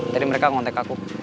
tadi mereka ngontek aku